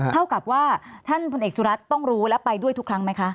เท่ากับว่าท่านพลเอกสุรัตน์ต้องรู้และไปด้วยทุกครั้งไหมคะ